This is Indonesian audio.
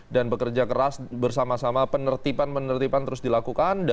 dan bekerja keras bersama sama penertipan penertipan terus dilakukan